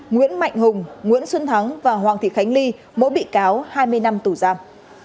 nguyễn mạnh hùng nguyễn xuân thắng và hoàng thị khánh ly mỗi bị cáo hai mươi năm tù giam